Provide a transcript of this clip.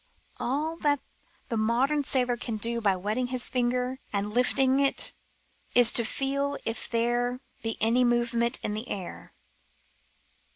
All that the modern sailor can do by wetting his finger an I lifting it is to feel if there be any movement in the air.